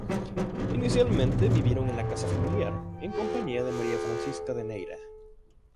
Inicialmente vivieron en la casa familiar, en compañía de María Francisca de Neira.